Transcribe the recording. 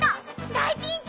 大ピンチ！